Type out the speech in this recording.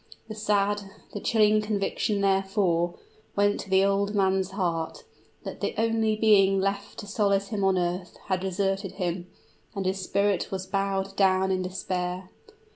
The sad the chilling conviction therefore, went to the old man's heart, that the only being left to solace him on earth, had deserted him; and his spirit was bowed down in despair.